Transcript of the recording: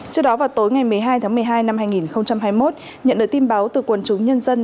trước đó vào tối ngày một mươi hai tháng một mươi hai năm hai nghìn hai mươi một nhận được tin báo từ quần chúng nhân dân